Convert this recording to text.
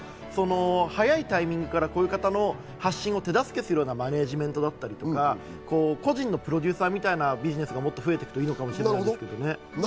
早いタイミングからこういう方の発信を手助けするようなマネジメントだったり、個人のプロデューサーみたいなビジネスがもっと増えてくるといいかと思いますね。